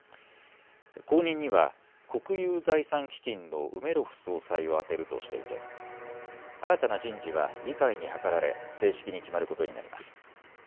後任には国有財産基金のウメロフ総裁を充てるとしていて新たな人事は議会に諮られ正式に決まることになります。